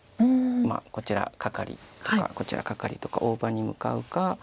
こちらカカリとかこちらカカリとか大場に向かうか